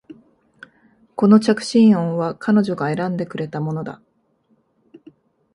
この着信音は彼女が選んでくれたものだ